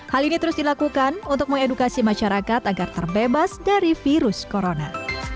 hal ini terus dilakukan untuk mengedukasi masyarakat agar terbebas dari virus corona